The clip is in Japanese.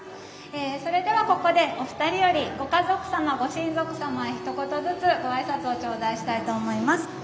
それではここでお二人よりご家族様ご親族様へひと言ずつご挨拶を頂戴したいと思います。